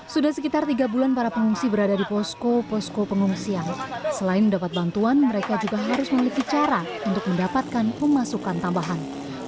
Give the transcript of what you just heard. selain mendapat bantuan mereka juga harus memiliki cara untuk mendapatkan pemasukan tambahan